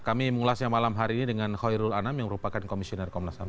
kami mengulasnya malam hari ini dengan khoirul anam yang merupakan komisioner komnasam